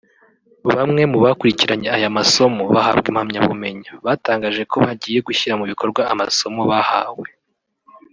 Bamwe mu bakurikiranye aya masomo bahabwa impamyabumenyi batangaje ko bagiye gushyira mu bikorwa amasomo bahawe